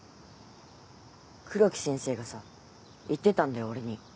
黒木先生がさ言ってたんだよ俺に。